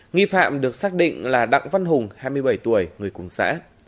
nghi phạm được xác định là đặng văn hùng hai mươi bảy tuổi người cùng xã